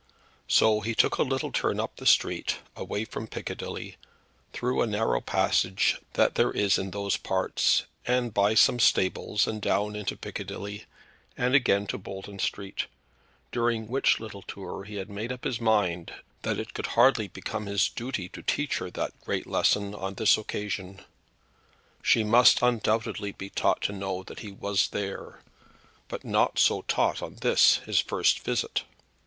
So he took a little turn up the street, away from Piccadilly, through a narrow passage that there is in those parts, and by some stables, and down into Piccadilly, and again to Bolton Street; during which little tour he had made up his mind that it could hardly become his duty to teach her that great lesson on this occasion. She must undoubtedly be taught to know that he was there, but not so taught on this, his first visit.